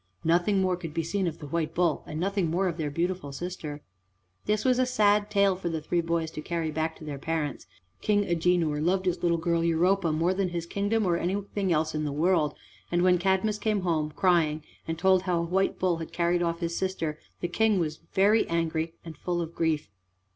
Nothing more could be seen of the white bull, and nothing more of their beautiful sister. This was a sad tale for the three boys to carry back to their parents. King Agenor loved his little girl Europa more than his kingdom or anything else in the world, and when Cadmus came home crying and told how a white bull had carried off his sister, the King was very angry and full of grief.